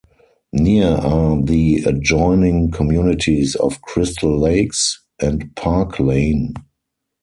Near are the adjoining communities of Crystal Lakes and Park Layne.